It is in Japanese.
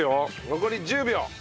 残り１０秒。